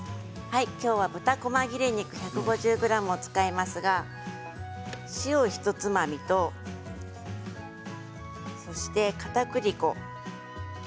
今日は豚こま切れ肉１５０ｇを使いますが塩をひとつまみとそしてかたくり粉。